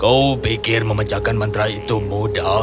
oh pikir memecahkan mantra itu mudah